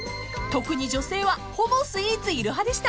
［特に女性はほぼスイーツいる派でした］